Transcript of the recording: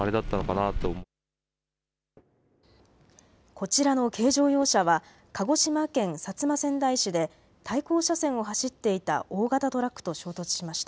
こちらの軽乗用車は鹿児島県薩摩川内市で対向車線を走っていた大型トラックと衝突しました。